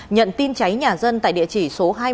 nhận tin cháy nhà dân tại địa chỉ số hai mươi